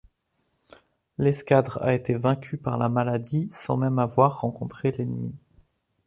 L'escadre a été vaincue par la maladie sans même avoir rencontré l'ennemi.